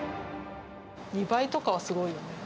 ２倍とかはすごいよね。